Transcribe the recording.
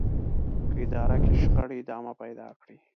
که اداره کې شخړې ادامه پيدا کړي.